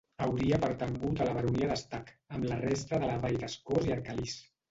Hauria pertangut a la Baronia d'Estac, amb la resta de la vall d'Escós i Arcalís.